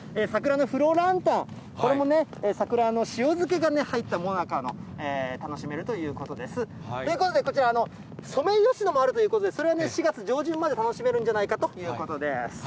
桜のフロランタン、これも桜の塩漬けが入ったもなかも楽しめるということです。ということで、こちら、ソメイヨシノもあるということで、それは４月上旬まで楽しめるんじゃないかということです。